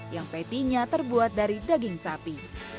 yang patty nya terbuat dari daging sapi